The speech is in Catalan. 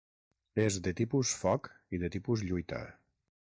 És de tipus foc i de tipus lluita.